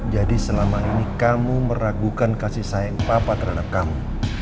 jadi selama ini kamu meragukan kasih sayang papa terhadap kamu